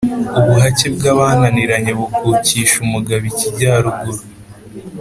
ubuhake bwananiranye bukukisha umugabo ikijyaruguru